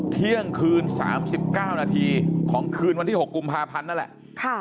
เที่ยงคืน๓๙นาทีของคืนวันที่๖กุมภาพันธ์นั่นแหละ